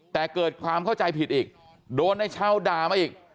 แต่เกิดความเข้าใจผิดอีกโดนในเช่าด่ามาอีก